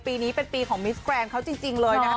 ปีนี้เป็นปีของมิสแกรนด์เขาจริงเลยนะครับ